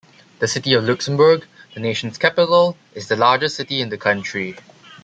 The City of Luxembourg, the nation's capital, is the largest city in the country.